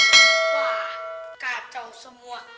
wah kacau semua